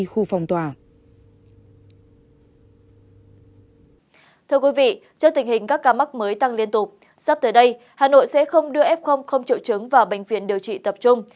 hà nội sẽ không đưa f không triệu chứng vào bệnh viện điều trị tập trung